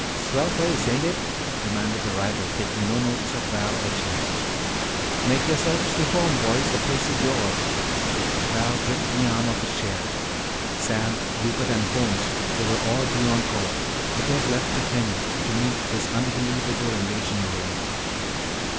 "Swell place, ain't it?" demanded the rival, taking no notice of Val or Jeems. "Make yourselves to home, boys; the place is yours." Val gripped the arm of his chair. Sam, Rupert, Holmes they were all beyond call. It was left to him to meet this unbelievable invasion alone.